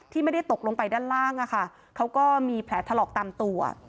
ไม่ได้ตกลงไปด้านล่างเขาก็มีแผลถลอกตามตัว